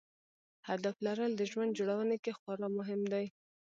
هدف لرل د ژوند جوړونې کې خورا مهم دی.